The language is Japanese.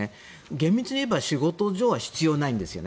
厳密にいえば仕事上は必要ないんですね。